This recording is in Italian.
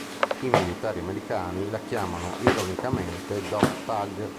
I militari americani la chiamano ironicamente "dog tag".